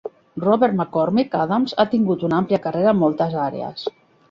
Robert McCormick Adams ha tingut una àmplia carrera en moltes àrees.